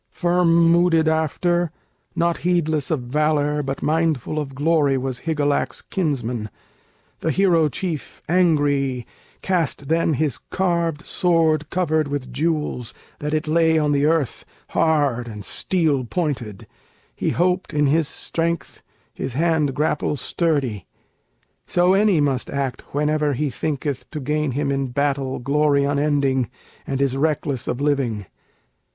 Firm mooded after, Not heedless of valor, but mindful of glory Was Higelac's kinsman; the hero chief angry Cast then his carved sword covered with jewels That it lay on the earth, hard and steel pointed; He hoped in his strength, his hand grapple sturdy. So any must act whenever he thinketh To gain him in battle glory unending, And is reckless of living.